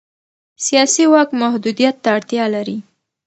سیاسي واک محدودیت ته اړتیا لري